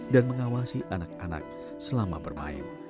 dan mengawasi anak anak selama bermain